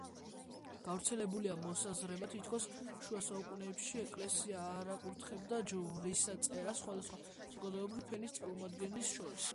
გავრცელებულია მოსაზრება, თითქოს შუასაუკუნეებში ეკლესია არ აკურთხებდა ჯვრისწერას სხვადასხვა საზოგადოებრივი ფენის წარმომადგენლის შორის.